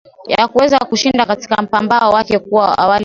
ya kuweza kushinda katika mpambano wake kuwa awali na david